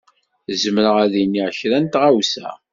Zemreɣ ad d-iniɣ kra n tɣawsa.